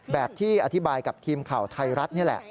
แบบที่อธิบายกับทีมข่าวไทยรัฐนี่แหละ